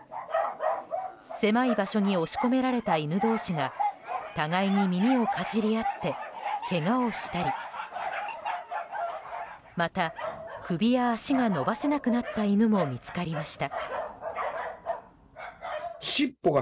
狭い場所に押し込められた犬同士が互いに耳をかじり合ってけがをしたりまた首や足が伸ばせなくなった犬も見つかりました。